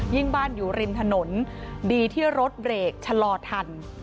บ้านอยู่ริมถนนดีที่รถเบรกชะลอทัน